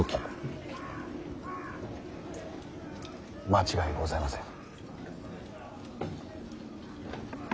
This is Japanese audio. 間違いございません。